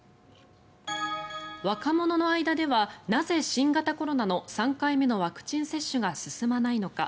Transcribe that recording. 若者の間ではなぜ新型コロナの３回目のワクチン接種が進まないのか。